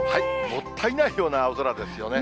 もったいないような青空ですよね。